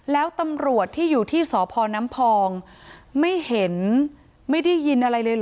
แล้วตำรวจที่อยู่ที่สพน้ำพองไม่เห็นไม่ได้ยินอะไรเลยเหรอ